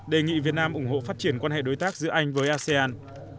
đề nghị việt nam ủng hộ phát triển quan hệ đối tác giữa anh với asean